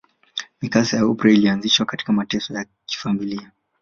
Mikasa ya Oprah ilianzia katika mateso ya kifamilia